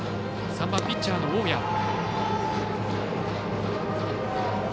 ３番ピッチャーの大矢。